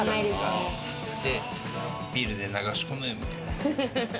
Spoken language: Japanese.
ビールで流し込むみたいな。